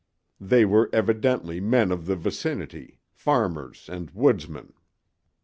They were evidently men of the vicinity—farmers and woodsmen.